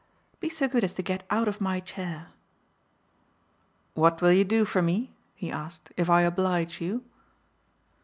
"Be so good as to get out of my chair." "What will you do for me," he asked, "if I oblige you?"